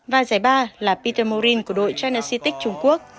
và giải ba là peter morin của đội china city trung quốc